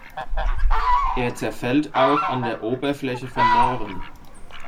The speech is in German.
Er zerfällt auch an der Oberfläche von Mooren.